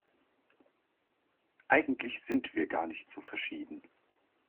Eigentlich sind wir gar nicht so verschieden.